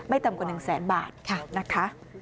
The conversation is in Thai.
ต่ำกว่า๑แสนบาทนะคะ